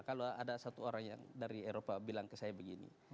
kalau ada satu orang yang dari eropa bilang ke saya begini